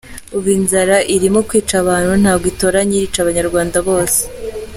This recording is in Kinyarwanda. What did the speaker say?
Ubu inzara irimo kwica abantu ntago itoranya irica abanyarwanda bose.